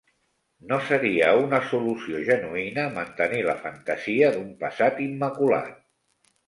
No seria una solució genuïna mantenir la fantasia d'un passat immaculat.